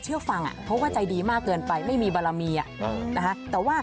เรื่องของโชคลาบนะคะ